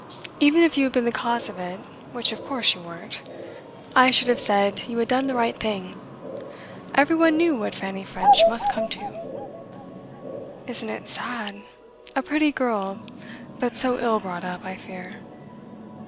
'Even if you had been the cause of it, which of course you weren't, I should have said you had done the right thing. Every one knew what Fanny French must come to.' 'Isn't it sad? A pretty girl but so ill brought up, I fear.